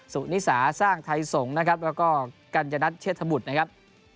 สู่นิสาสร้างไทยสงฯแล้วก็กรรจนัดเชษฐบุตรนะครับ